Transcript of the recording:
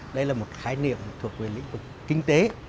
đây là một khái niệm thuộc về lĩnh vực kinh tế